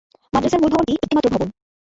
মাদ্রাসার মূল ভবনটি একটি মাত্র ভবন।